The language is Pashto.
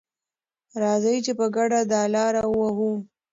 راځئ چې په ګډه دا لاره ووهو.